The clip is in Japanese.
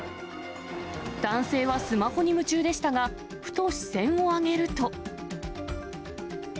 男性はスマホに夢中でしたが、ふと視線を上げると。